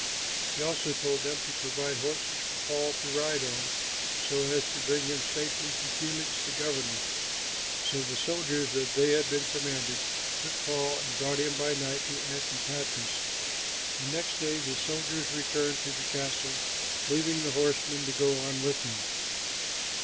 He also told them to provide horses for Paul to ride on so as to bring him safely to Felix the governor. So the soldiers, as they had been commanded, took Paul and brought him by night to Antipatris. The next day the soldiers returned to the castle, leaving the horsemen to go on with him.